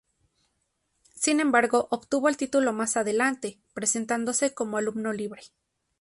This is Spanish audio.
Sin embargo, obtuvo el título más adelante, presentándose como alumno libre.